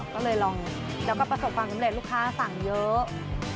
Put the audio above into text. ก็เลยลองแล้วก็ประสบความสำเร็จลูกค้าสั่งเยอะ